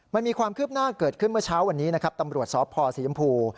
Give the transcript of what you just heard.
มันมีความคืบหน้าเกิดขึ้นเมื่อเช้าตำรวจสศสียำพูล